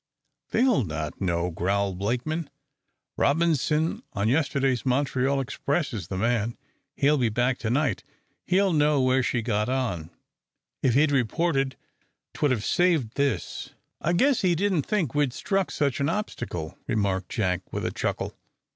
"They'll not know," growled Blakeman. "Robinson on yesterday's Montreal express is the man. He'll be back to night. He'll know where she got on. If he'd reported, 'twould have saved this." "I guess he didn't think we'd struck such an obstacle," remarked Jack, with a chuckle.